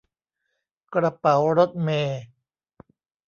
กระเป๋ารถเมล์